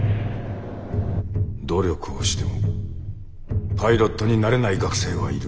努力をしてもパイロットになれない学生はいる。